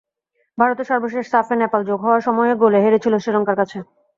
ভারতে সর্বশেষ সাফে নেপাল যোগ হওয়া সময়ের গোলে হেরেছিল শ্রীলঙ্কার কাছে।